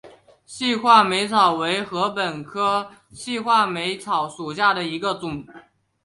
细画眉草为禾本科细画眉草属下的一个种。